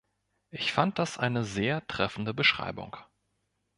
Ich fand das eine sehr treffende Beschreibung.